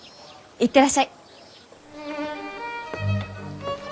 行ってらっしゃい！